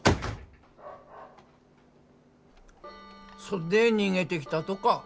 そっで逃げてきたとか。